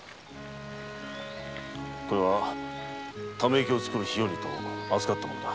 これは溜め池を作る費用にと預かったものだ。